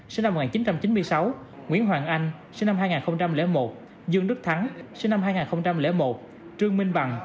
sinh năm một nghìn chín trăm chín mươi sáu nguyễn hoàng anh sinh năm hai nghìn một dương đức thắng sinh năm hai nghìn một trương minh bằng